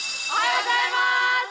おはようございます。